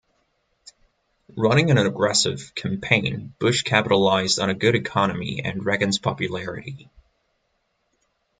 Running an aggressive campaign, Bush capitalized on a good economy and Reagan's popularity.